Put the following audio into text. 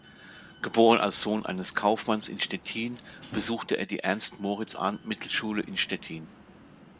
Geboren als Sohn eines Kaufmanns in Stettin, besuchte er die Ernst-Moritz-Arndt-Mittelschule in Stettin.